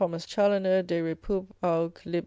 Chaloner de repub. Aug. lib.